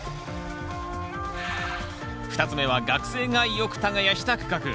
２つ目は学生がよく耕した区画。